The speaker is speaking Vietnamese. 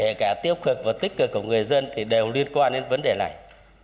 kể cả tiêu cực và tích cực của người dân thì đều liên quan đến vấn đề này